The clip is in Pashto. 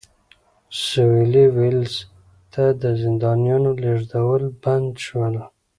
سوېلي ویلز ته د زندانیانو لېږدول بند شول.